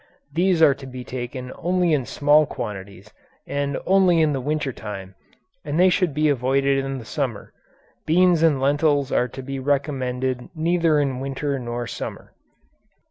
These are to be taken only in small quantities and only in the winter time and they should be avoided in the summer. Beans and lentils are to be recommended neither in winter nor summer.